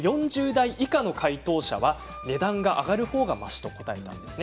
４０以下の回答者は値段が上がる方がましと答えています。